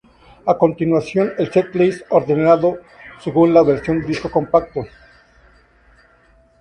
A continuación el "setlist" ordenado según la versión disco compacto